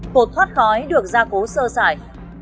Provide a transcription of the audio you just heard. cột thoát khói được gia cố sơ sải